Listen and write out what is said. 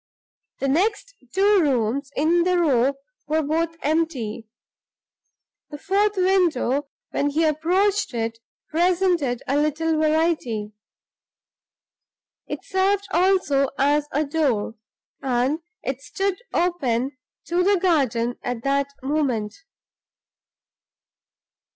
The next two rooms in the row were both empty. The fourth window, when he approached it, presented a little variety. It served also as a door; and it stood open to the garden at that moment.